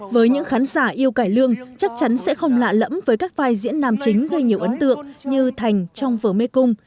với những khán giả yêu cải lương chắc chắn sẽ không lạ lẫm với các vai diễn nàm chính gây nhiều ấn tượng như thành trong vở mê cung